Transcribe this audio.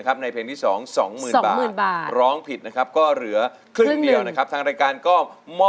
คุยอะไรกับลูกอ้วนไหม